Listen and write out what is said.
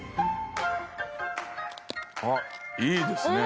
あっいいですねえ。